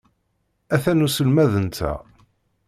Atan uselmad-nteɣ.